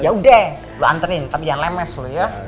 ya udah lo anterin tapi jangan lemes lu ya